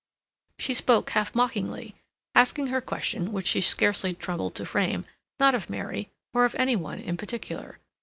She spoke half mockingly, asking her question, which she scarcely troubled to frame, not of Mary, or of any one in particular.